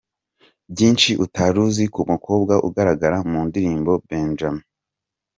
Byinshi utari uzi ku mukobwa ugaragara mu ndirimbo Benjame